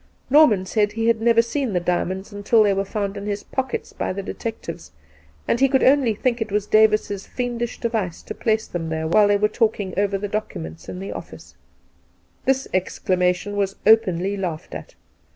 Norman said he had never seen the diamonds until they were found in his pockets by the detectives, and he could only think it was Davis's fiendish device to place them there while they were talking over the documents in the office. This explanationWas openly laughed at.